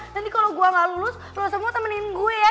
nanti kalau gue gak lulus lu semua temenin gue ya